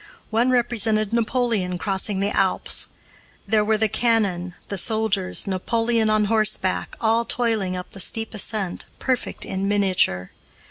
One represented Napoleon crossing the Alps. There were the cannon, the soldiers, Napoleon on horseback, all toiling up the steep ascent, perfect in miniature.